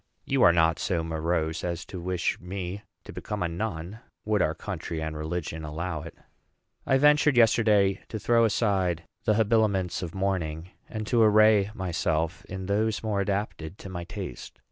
You are not so morose as to wish me to become a nun, would our country and religion allow it. I ventured, yesterday, to throw aside the habiliments of mourning, and to array myself in those more adapted to my taste.